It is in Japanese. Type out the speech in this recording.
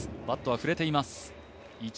バットは振れています。